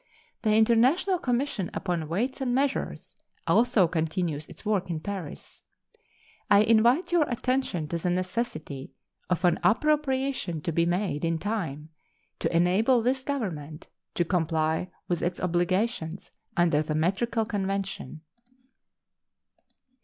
The International Commission upon Weights and Measures also continues its work in Paris. I invite your attention to the necessity of an appropriation to be made in time to enable this Government to comply with its obligations under the metrical convention.